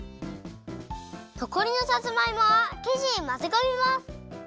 のこりのさつまいもはきじにまぜこみます。